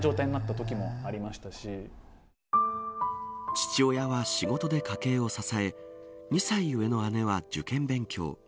父親は仕事で家計を支え２歳上の姉は受験勉強。